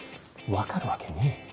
分かるわけねえよ。